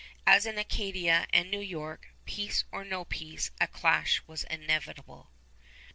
As in Acadia and New York, peace or no peace, a clash was inevitable.